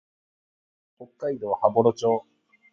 北海道羽幌町